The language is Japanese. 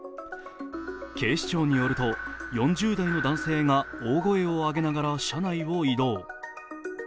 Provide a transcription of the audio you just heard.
警視庁によると、４０代の男性が大声を上げながら車内を移動。